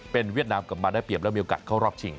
เป็นเวียดนามกลับมาได้เปรียบแล้วมีโอกาสเข้ารอบชิง